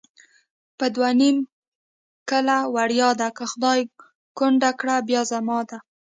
په دوه نیم کله وړیا ده، که خدای کونډه کړه بیا زما ده